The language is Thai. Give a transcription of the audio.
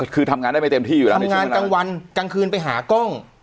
คือทำงานได้ไม่เต็มที่อยู่แล้วทำงานกลางวันกลางคืนไปหากล้อง